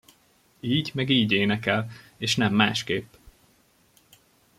Így meg így énekel és nem másképp!